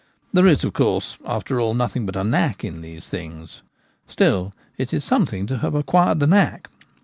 There is, of course, after all, nothing but a knack in these things. Still it is some thing to have acquired the knack.